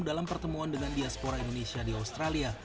dalam pertemuan dengan diaspora indonesia di australia